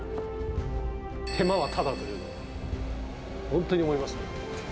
手間はただという、本当に思いましたね。